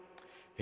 え？